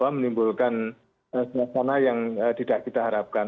menimbulkan suasana yang tidak kita harapkan